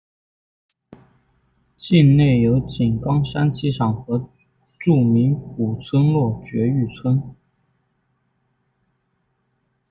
境内有井冈山机场和著名古村落爵誉村。